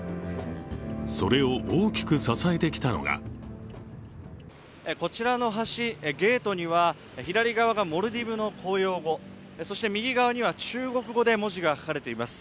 それを大きく支えてきたのがこちらの橋、ゲートには左側がモルディブの公用語、そして右側には中国語で文字が書かれています。